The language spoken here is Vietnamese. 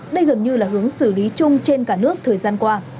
đây gần như là hướng xử lý chung trên cả nước thời gian qua